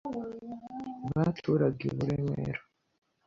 Baturaga i Buremera